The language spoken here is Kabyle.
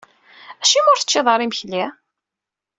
Acimi ur teččiḍ ara imekli?